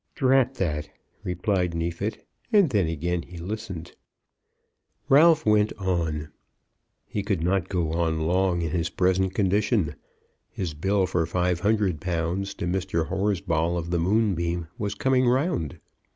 "Drat that," replied Neefit, and then again he listened. Ralph went on. He could not go on long in his present condition. His bill for £500 to Mr. Horsball of the Moonbeam was coming round.